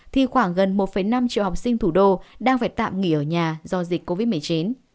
thì khoảng gần một năm triệu học sinh thủ đô đang phải tạm nghỉ ở nhà do dịch covid một mươi chín